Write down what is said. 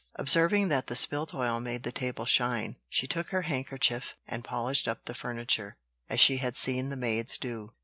Observing that the spilt oil made the table shine, she took her handkerchief and polished up the furniture, as she had seen the maids do.